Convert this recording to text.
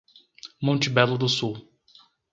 Monte Belo do Sul